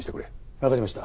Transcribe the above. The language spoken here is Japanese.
わかりました。